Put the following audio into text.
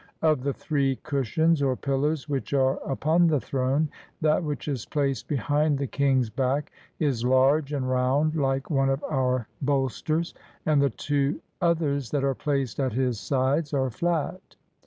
Of the three cushions or pillows which are upon the throne, that which is placed behind the king's back is large and round Hke one of our bolsters, and the two others that are placed at his sides are flat.